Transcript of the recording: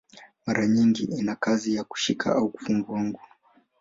Mara nyingi ina kazi ya kushika au kufunga nguo.